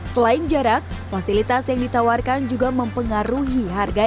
selain jarak fasilitas yang ditawarkan juga mempengaruhi harga